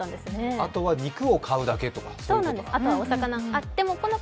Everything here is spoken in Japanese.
あとは肉を買うだけとか、そういうことか。